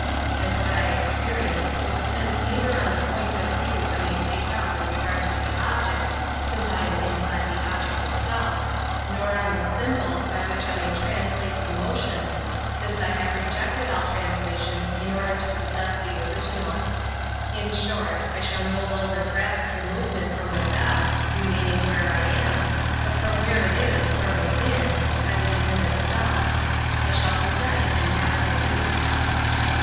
And what I ex perience will depend neither on the point of view I may take up in regard to the object, since I am inside the obj< Bor on the aymbols by which I m Metaphysics 3 late the motion, since I have rejected all translations in order to possess the original. In short, I shall no longer grasp the move ment from without, remaining where I am, but from where it is, from within, as it is in itself. I shall possess an absolute.